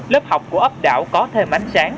lớp học của ấp đảo có thêm ánh sáng